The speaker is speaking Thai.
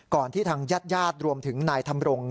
ก่อนที่ทางญาติญาติรวมถึงนายทำรง